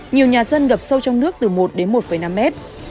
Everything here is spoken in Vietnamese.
nhiều nhà dân ngập sâu trong nước từ một đến một năm mét